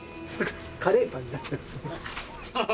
カレーパンになっちゃいますね。